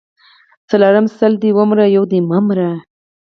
څلرم:سل دي ومره یو دي مه مره